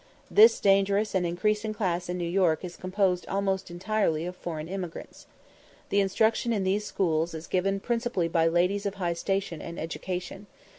This dangerous and increasing class in New York is composed almost entirely of foreign immigrants. The instruction in these schools is given principally by ladies of high station and education.